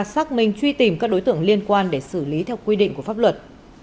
xác minh truy tìm các đối tượng liên quan để xử lý theo quy định của pháp luật